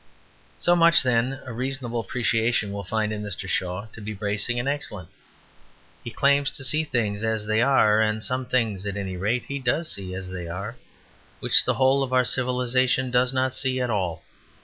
So much then a reasonable appreciation will find in Mr. Shaw to be bracing and excellent. He claims to see things as they are; and some things, at any rate, he does see as they are, which the whole of our civilization does not see at all.